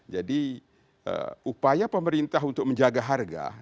jadi upaya pemerintah untuk menjaga harga